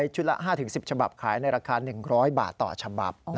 ละ๕๑๐ฉบับขายในราคา๑๐๐บาทต่อฉบับ